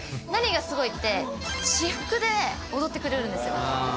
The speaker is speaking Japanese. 何がすごいって私服で踊ってくれるんですよ。